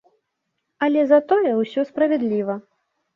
Але затое ўсё справядліва.